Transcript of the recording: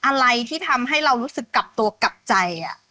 อะไรที่ทำให้เรารู้สึกกลับตัวกลับใจ